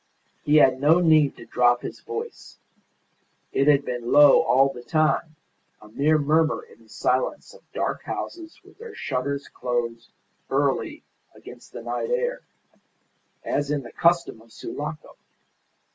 He had no need to drop his voice; it had been low all the time, a mere murmur in the silence of dark houses with their shutters closed early against the night air, as is the custom of Sulaco.